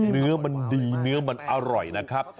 เนื้อมันดีเนื้อมันอร่อยนะครับ